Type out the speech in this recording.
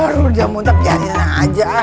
rodie muntah biar biar aja